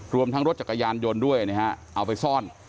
รวมทั้งรถจักรยานยนต์ด้วยนะฮะเอาไปซ่อน